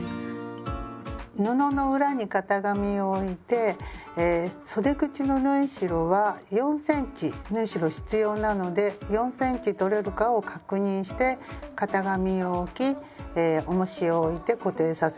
布の裏に型紙を置いてそで口の縫い代は４ｃｍ縫い代必要なので４ｃｍとれるかを確認して型紙を置きおもしを置いて固定させます。